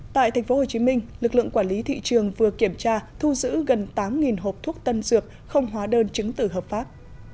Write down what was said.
tại tp hcm lực lượng quản lý thị trường vừa kiểm tra thu giữ gần tám hộp thuốc tân dược không hóa đơn chứng tử hợp pháp